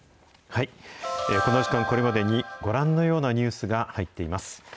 この時間、これまでにご覧のようなニュースが入っています。